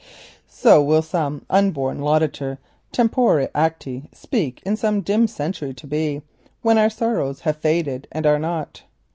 So will some unborn laudator temporis acti speak in some dim century to be, when our sorrows have faded and are not.